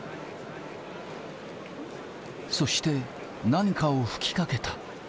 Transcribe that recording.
そして、何かを吹きかけた。